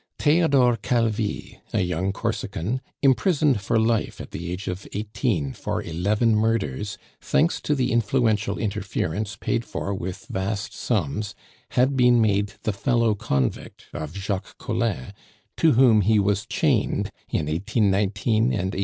Theodore Calvi, a young Corsican, imprisoned for life at the age of eighteen for eleven murders, thanks to the influential interference paid for with vast sums, had been made the fellow convict of Jacques Collin, to whom he was chained, in 1819 and 1820.